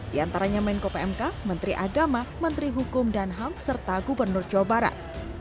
di antaranya menko pmk menteri agama menteri hukum dan ham serta gubernur jawa barat